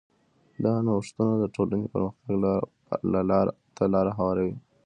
دا نوښتونه د ټولنې پرمختګ ته لاره هواروي.